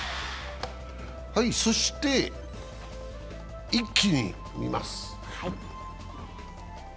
そして一気に見ます。